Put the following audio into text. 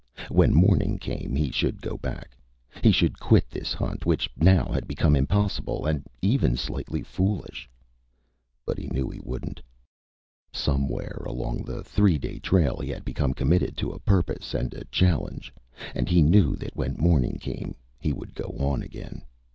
When morning came, he should go back. He should quit this hunt which now had become impossible and even slightly foolish. But he knew he wouldn't. Somewhere along the three day trail, he had become committed to a purpose and a challenge, and he knew that when morning came, he would go on again.